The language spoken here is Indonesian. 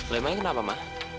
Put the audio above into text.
lemahnya kenapa ma